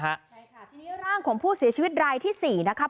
ใช่ค่ะทีนี้ร่างของผู้เสียชีวิตรายที่๔นะครับ